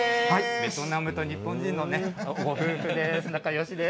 ベトナムと日本人のご夫婦です。